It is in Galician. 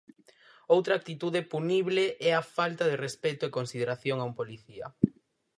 Outra actitude punible é a "falta de respecto e consideración" a un policía.